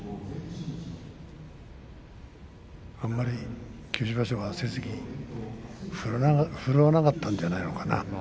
あんまり九州場所は成績振るわなかったんじゃないのかな